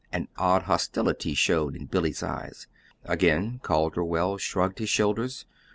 An odd hostility showed in Billy's eyes. Again Calderwell shrugged his shoulders.